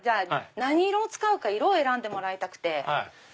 何色を使うか色を選んでもらいたくて。